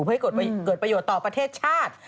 เพื่อให้เกิดประโยชน์ต่อประเทศชาติ